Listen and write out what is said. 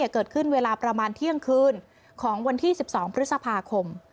เกิดขึ้นเวลาประมาณเที่ยงคืนของวันที่๑๒พฤษภาคม